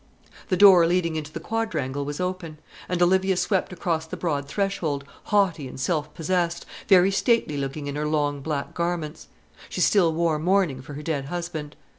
The door leading into the quadrangle was open; and Olivia swept across the broad threshold, haughty and self possessed, very stately looking in her long black garments. She still wore mourning for her dead husband.